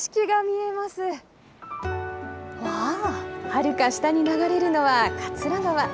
はるか下に流れるのは桂川。